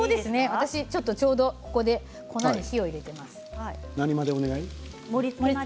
私は、ちょうど今ここで粉に火を入れています。